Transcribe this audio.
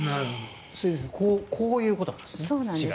先生、こういうことなんですね。